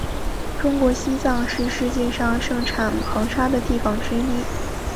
中国西藏是世界上盛产硼砂的地方之一。